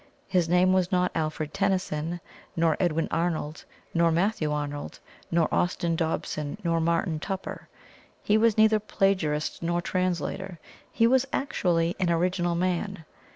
His name was not Alfred Tennyson, nor Edwin Arnold, nor Matthew Arnold, nor Austin Dobson, nor Martin Tupper. He was neither plagiarist nor translator he was actually an original man.